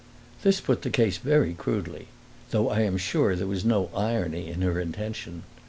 This put the case very crudely, though I am sure there was no irony in her intention.